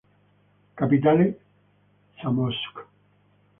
Capitale: Zamość